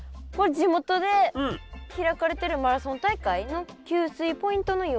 地元で開かれてるマラソン大会の給水ポイントの様子。